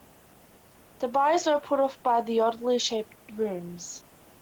The buyers were put off by the oddly shaped rooms.